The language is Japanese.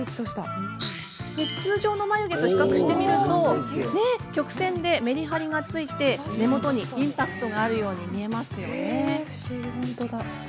通常の眉毛と比較してみると眉毛の曲線でメリハリがつき目元にインパクトがあるように見えませんか？